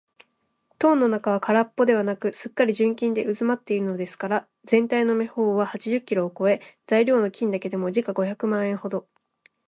塔の中はからっぽではなく、すっかり純金でうずまっているのですから、ぜんたいの目方は八十キロをこえ、材料の金だけでも時価五百万円ほど